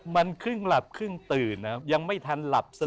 มันครึ่งหลับครึ่งตื่นนะครับยังไม่ทันหลับซะ